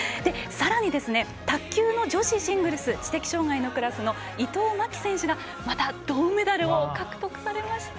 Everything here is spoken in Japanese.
さらに卓球の女子シングルス知的障がいのクラスの伊藤槙紀選手がまた銅メダルを獲得されました。